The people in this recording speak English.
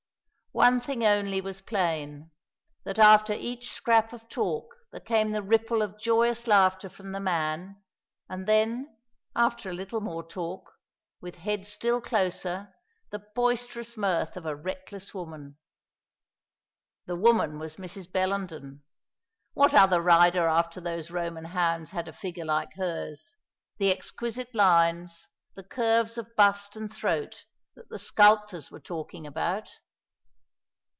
One thing only was plain, that after each scrap of talk there came that ripple of joyous laughter from the man; and then, after a little more talk, with heads still closer, the boisterous mirth of a reckless woman. The woman was Mrs. Bellenden. What other rider after those Roman hounds had a figure like hers, the exquisite lines, the curves of bust and throat that the sculptors were talking about?